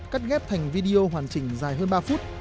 cắt ghép thành video hoàn chỉnh dài hơn ba phút